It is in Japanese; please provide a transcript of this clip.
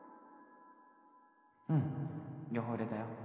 うん両方入れたよ。